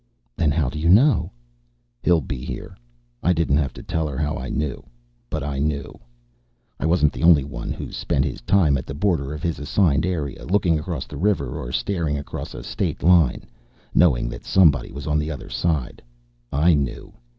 "Then how do you know " "He'll be here." I didn't have to tell her how I knew. But I knew. I wasn't the only one who spent his time at the border of his assigned area, looking across the river or staring across a state line, knowing that somebody was on the other side. I knew.